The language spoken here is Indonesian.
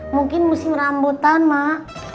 mungkin musim rambutan mak